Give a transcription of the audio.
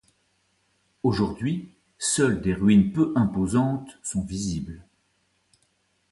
Aujourd'hui, seuls des ruines peu imposantes sont visibles.